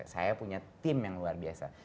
saya punya tim yang luar biasa